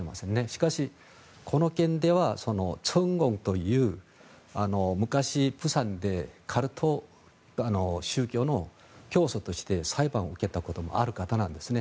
しかし、この件ではチョンゴンという昔、釜山でカルト宗教の教祖として裁判を受けたこともある方なんですね。